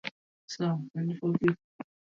na Hali ya hewaImpactNews com bila gharama na